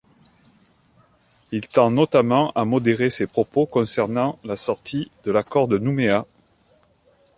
Il tend notamment à modérer ses propos concernant la sortie de l'accord de Nouméa.